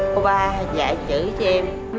cô ba dạy chữ cho em